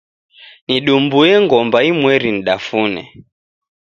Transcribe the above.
Nidumbue ngomba imweri nidafune.